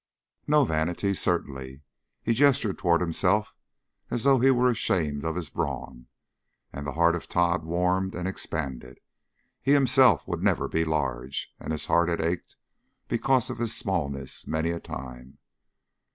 No vanity, certainly. He gestured toward himself as though he were ashamed of his brawn, and the heart of Tod warmed and expanded. He himself would never be large, and his heart had ached because of his smallness many a time.